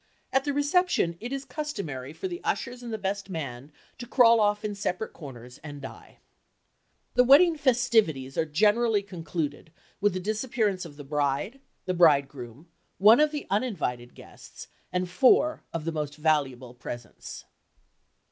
At the reception it is customary for the ushers and the best man to crawl off in separate corners and die. The wedding "festivities" are generally concluded with the disappearance of the bride, the bridegroom, one of the uninvited guests and four of the most valuable presents.